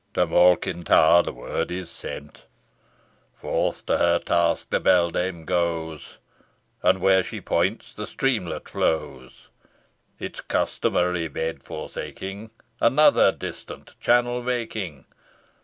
To Malkin Tower the word is sent, Forth to her task the beldame goes, And where she points the streamlet flows; Its customary bed forsaking, Another distant channel making.